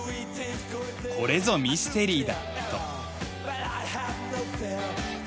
これぞミステリーだと。